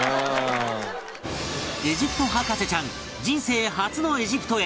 エジプト博士ちゃん人生初のエジプトへ